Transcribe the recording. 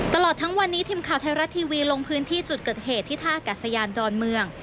ตลอดทั้งวันนี้ทีมข่าวไทยรัฐทีวีลงพื้นที่จุดเกิดเหตุที่ท่ากัศยานดอนเมือง